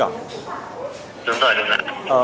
đúng rồi đúng rồi